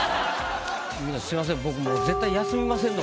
すみません